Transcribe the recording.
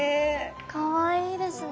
かわいいですね。